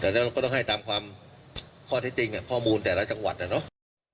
แต่เราก็ต้องให้ตามความข้อที่จริงข้อมูลแต่ละจังหวัดนะเนาะ